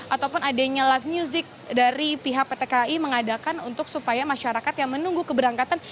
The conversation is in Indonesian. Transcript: ataupun adanya live music dari pihak pt kai mengadakan untuk supaya masyarakat yang menunggu keberangkatan